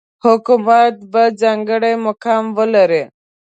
حکومت به ځانګړی مقام ولري.